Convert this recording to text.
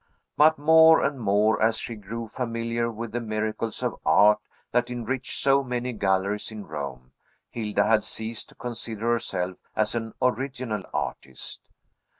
But more and more, as she grew familiar with the miracles of art that enrich so many galleries in Rome, Hilda had ceased to consider herself as an original artist.